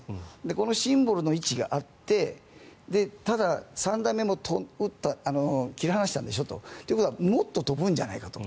このシンボルの位置があってただ、３段目も撃った切り離したんでしょと。ということはもっと飛ぶんじゃないかと。